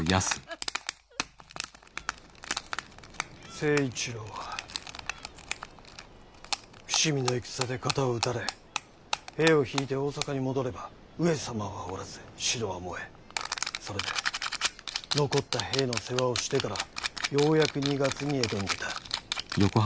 成一郎は伏見の戦で肩を撃たれ兵を退いて大坂に戻れば上様はおらず城は燃えそれで残った兵の世話をしてからようやく２月に江戸に出た。